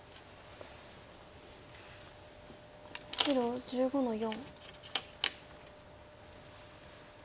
白１５の四。